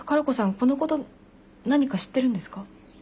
このこと何か知ってるんですか？